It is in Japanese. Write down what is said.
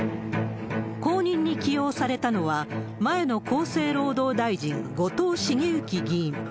後任に起用されたのは、前の厚生労働大臣、後藤茂之議員。